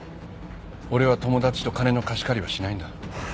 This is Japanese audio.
俺は友達と金の貸し借りはしないんだ。